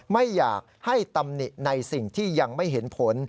ไม่อยากให้ตำหนิในสิ่งที่ยังไม่เห็นผล